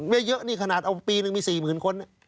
เยอะนี่ขนาดเอาปีหนึ่งมี๔๐๐๐คน